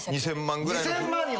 ２，０００万ぐらいの。